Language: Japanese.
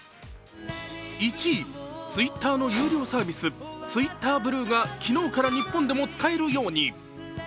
Ｔｗｉｔｔｅｒの有料サービス、ＴｗｉｔｔｅｒＢｌｕｅが昨日から日本でも使えるように。